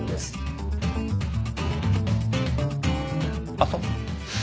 あっそう。